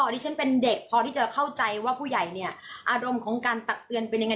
ที่ฉันเป็นเด็กพอที่จะเข้าใจว่าผู้ใหญ่เนี่ยอารมณ์ของการตักเตือนเป็นยังไง